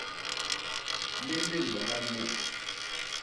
Léndél wañan mut.